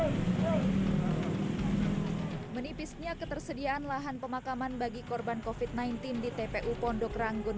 hai menipisnya ketersediaan lahan pemakaman bagi korban kofit sembilan belas di tpu pondok ranggun